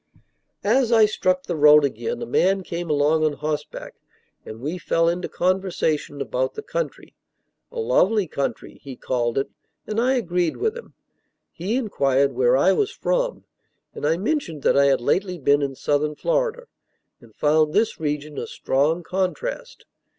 As I struck the road again, a man came along on horseback, and we fell into conversation about the country. "A lovely country," he called it, and I agreed with him. He inquired where I was from, and I mentioned that I had lately been in southern Florida, and found this region a strong contrast.